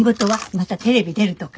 またテレビ出るとか。